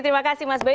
terima kasih mas bayu